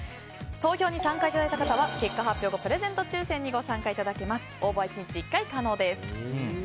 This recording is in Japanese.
投票に参加いただいた方は結果発表後プレゼント抽選にご応募いただけます。